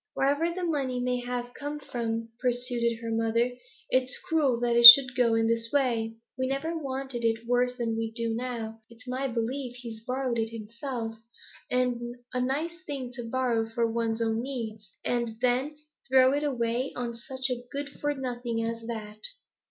'Wherever the money may have come from,' pursued her mother, 'it's cruel that it should go in this way. We never wanted it worse than we do now. It's my belief he's borrowed it himself; a nice thing to borrow for one's own needs, and then throw it away on such a good for nothing as that.'